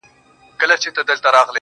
حسن خو زر نه دى چي څوك يې پـټ كــړي.